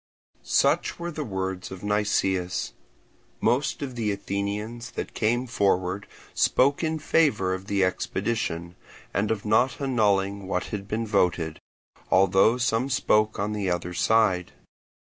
Such were the words of Nicias. Most of the Athenians that came forward spoke in favour of the expedition, and of not annulling what had been voted, although some spoke on the other side.